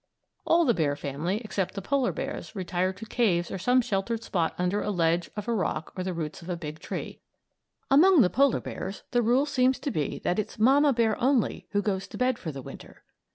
All the bear family, except the polar bears, retire to caves or some sheltered spot under a ledge of a rock or the roots of a big tree. Among the polar bears the rule seems to be that it's Mamma Bear only who goes to bed for the Winter.